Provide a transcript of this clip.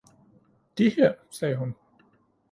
"De her, sagde hun."